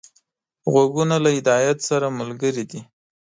غوږونه له هدایت سره ملګري دي